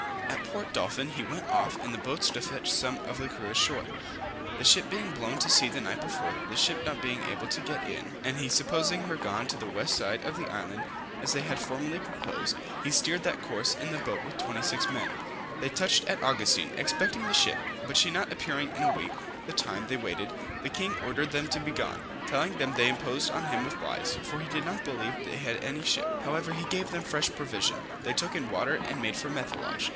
At Port Dolphin he went off in the boats to fetch some of the crew left ashore, the ship being blown to sea the night before. The ship not being able to get in, and he supposing her gone to the west side of the island, as they had formerly proposed, he steered that course in his boat with 26 men. They touched at Augustin, expecting the ship, but she not appearing in a week, the time they waited, the king ordered them to be gone, telling them they imposed on him with lies, for he did not believe they had any ship: however he gave them fresh provision: they took in water, and made for Methelage.